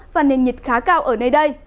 và nền nhiệt khá cao ở nơi đây